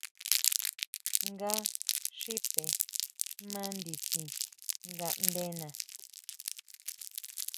Nga xipe ma nditsin ngaʼndena.